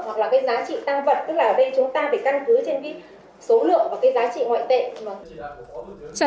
hoặc là cái giá trị tăng vật tức là ở đây chúng ta phải căn cứ trên cái số lượng và cái giá trị ngoại tệ